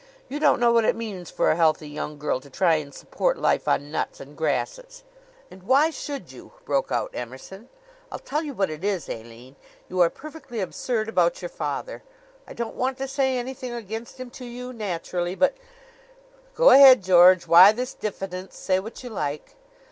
You don't know what it means for a healthy young girl to try and support life on nuts and grasses." "And why should you?" broke out Emerson. "I'll tell you what it is, Aline you are perfectly absurd about your father. I don't want to say anything against him to you, naturally; but " "Go ahead, George. Why this diffidence? Say what you like."